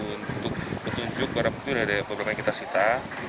untuk menunjukkan itu ada beberapa yang kita cerita